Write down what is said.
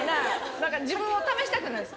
何か自分を試したくなるんです。